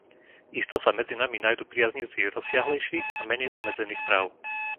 Isto sa medzi nami nájdu priaznivci rozsiahlejších a menej obmedzených práv.